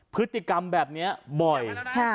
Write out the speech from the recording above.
พฤติกรรมแบบนี้บ่อย